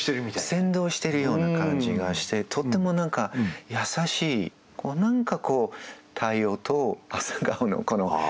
先導してるような感じがしてとっても何か優しい何かこう太陽と朝顔の麗しい関係っていうか。